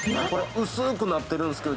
薄くなっているんですけど。